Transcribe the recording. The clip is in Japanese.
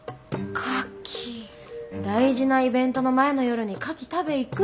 大事なイベントの前の夜にカキ食べ行く？